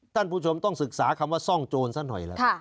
ท่านผู้ชมต้องศึกษาคำว่าซ่องโจรซะหน่อยล่ะ